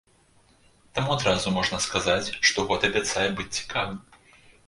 Таму адразу можна сказаць, што год абяцае быць цікавым!